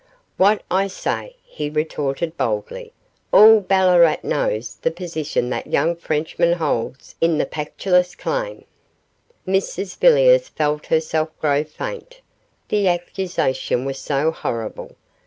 'What I say,' he retorted boldly, 'all Ballarat knows the position that young Frenchman holds in the Pactolus claim.' Mrs Villiers felt herself grow faint the accusation was so horrible.